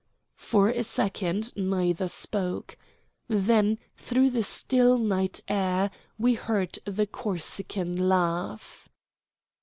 For a second neither spoke. Then through the still night air we heard the Corsican laugh.